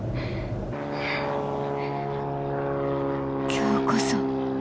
今日こそ。